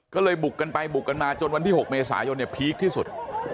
ก็เลยบุกกันไปบุกกันมาจนวันที่๖เมษายนเนี่ยพีคที่สุด